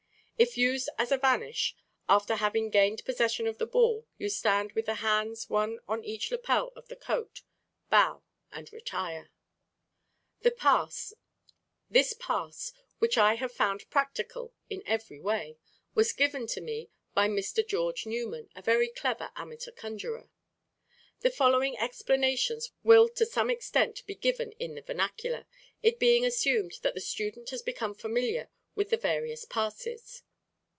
If used as a vanish, after having gained possession of the ball you stand with the hands one on each lapel of the coat, bow, and retire. This pass, which I have found practical in every way, was given to me by Mr. George Newman, a very clever amateur conjurer. The following explanations will to some extent be given in the "vernacular," it being assumed that the student has become familiar with the various passes.